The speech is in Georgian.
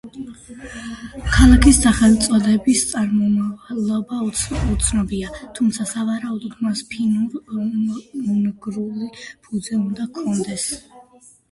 ქალაქის სახელწოდების წარმომავლობა უცნობია, თუმცა სავარაუდოდ მას ფინურ-უნგრული ფუძე უნდა ჰქონდეს.